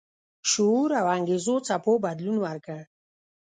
شعور او انګیزو څپو بدلون ورکړ.